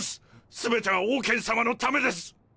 全てはオウケン様のためです！